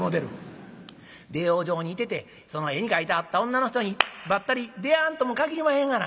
出養生に行ててその絵に描いてあった女の人にばったり出会わんとも限りまへんがな。ね？